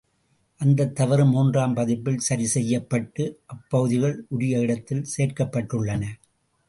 அந்தத் தவறு மூன்றாம் பதிப்பில் சரிசெய்யப்பட்டு, அப்பகுதிகள் உரிய இடத்தில் சேர்க்கப்பட்டுள்ளன.